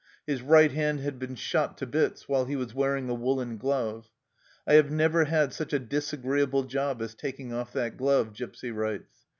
His right hand had been shot to bits while he was wearing a woollen glove. " I have never had such a disagreeable job as taking off that glove," Gipsy writes.